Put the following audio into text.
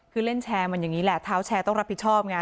คือเล่นแชร์มันอย่างนี้แหละเท้าแชร์ต้องรับผิดชอบไง